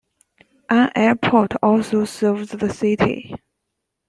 An airport also serves the city.